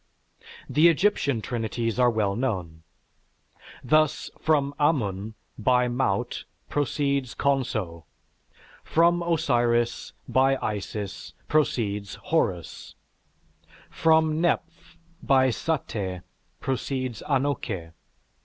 The Egyptian trinities are well known: thus, from Amun by Maut proceeds Khonso; from Osiris by Isis proceeds Horus; from Neph by Saté proceeds Anouké.